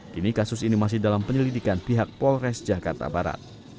kini kasus ini masih dalam penyelidikan pihak polres jakarta barat